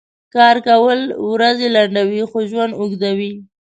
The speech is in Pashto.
کار کؤل ؤرځې لنډؤي خو ژؤند اوږدؤي .